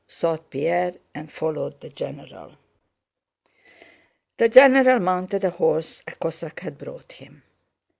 thought Pierre, and followed the general. The general mounted a horse a Cossack had brought him.